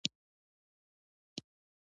د وسایطو د تلو راتلو حالت ته ترافیکي حجم وایي